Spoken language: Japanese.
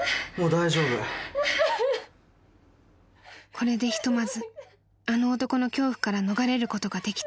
［これでひとまずあの男の恐怖から逃れることができた］